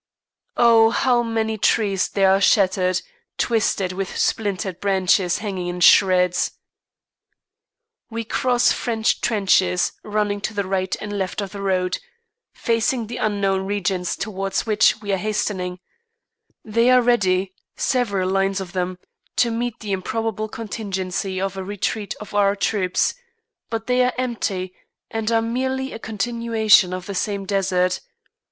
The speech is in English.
Oh, how many trees there are shattered, twisted, with splintered branches hanging in shreds! We cross French trenches running to the right and left of the road, facing the unknown regions towards which we are hastening; they are ready, several lines of them, to meet the improbable contingency of a retreat of our troops; but they are empty and are merely a continuation of the same desert.